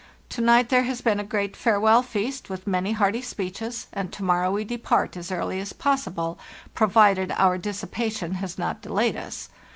" To night there has been a great farewell feast, with many hearty speeches, and to morrow we depart as early as possible, provided our dissipation has not de layed us.